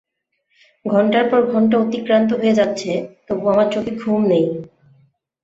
ঘন্টার পর ঘণ্টা অতিক্রান্ত হয়ে যাচ্ছে তবু আমার চোখে ঘুম নেই।